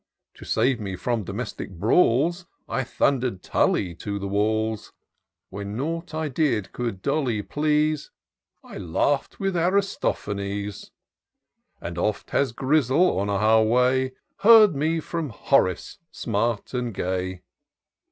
To save me ftom domestic brawls, I thunder'd TuUy to the walls : When nought I did could Dolly please, I laugh'd with Aristophanes, And oft has Grizzle, on our way. Heard me ftom Horace smart and gay.